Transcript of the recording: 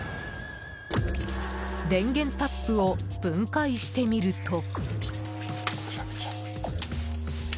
電源タップを分解してみると。